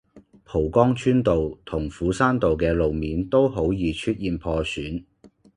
蒲崗村道同斧山道嘅路面都好易出現破損